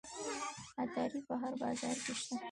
عطاري په هر بازار کې شته.